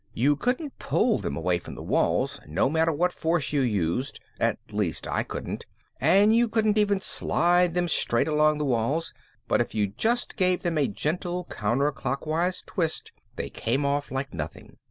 You couldn't pull them away from the wall no matter what force you used, at least I couldn't, and you couldn't even slide them straight along the walls, but if you just gave them a gentle counterclockwise twist they came off like nothing.